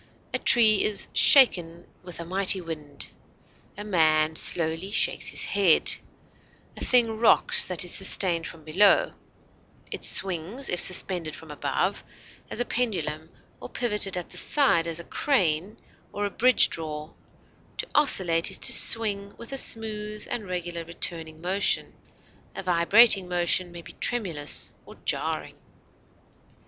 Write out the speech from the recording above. A tree is "shaken with a mighty wind;" a man slowly shakes his head. A thing rocks that is sustained from below; it swings if suspended from above, as a pendulum, or pivoted at the side, as a crane or a bridge draw; to oscillate is to swing with a smooth and regular returning motion; a vibrating motion may be tremulous or jarring.